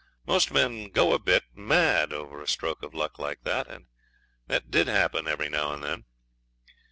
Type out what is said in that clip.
Most men would go a bit mad over a stroke of luck like that, and they did happen now and then.